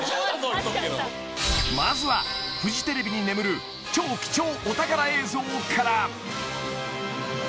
［まずはフジテレビに眠る超貴重お宝映像から］